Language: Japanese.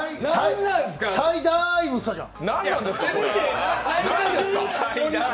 サイダーイム言ったじゃん。